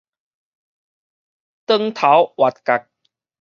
轉頭斡角